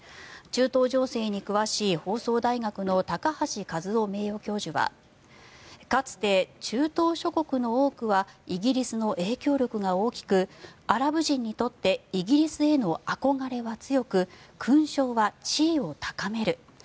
中東情勢に詳しい放送大学の高橋和夫名誉教授はかつて中東諸国の多くはイギリスの影響力が大きくアラブ人にとってイギリスへの憧れは強く勲章は地位を高める。